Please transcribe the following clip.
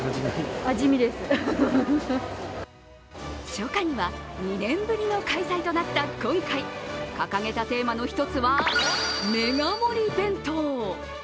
初夏には２年ぶりの開催となった今回掲げたテーマの一つはメガ盛り弁当。